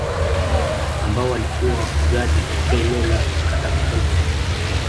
Ambao walikuwa wafugaji katika eneo la Katakokombe